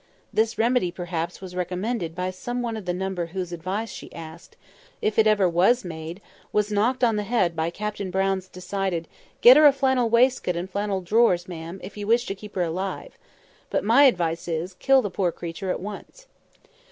This remedy, perhaps, was recommended by some one of the number whose advice she asked; but the proposal, if ever it was made, was knocked on the head by Captain Brown's decided "Get her a flannel waistcoat and flannel drawers, ma'am, if you wish to keep her alive. But my advice is, kill the poor creature at once."